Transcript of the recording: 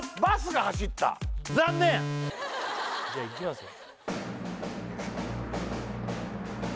じゃあいきますよ